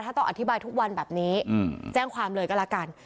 ถ้าต้องอธิบายทุกวันแบบนี้แจ้งความเลยก็แล้วกัน